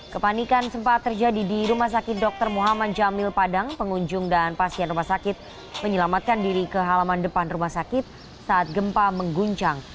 kepanikan sempat terjadi di rumah sakit dr muhammad jamil padang pengunjung dan pasien rumah sakit menyelamatkan diri ke halaman depan rumah sakit saat gempa mengguncang